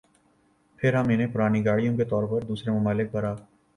پھر ہم انہیں پرانی گاڑیوں کے طور پر دوسرے ممالک برآ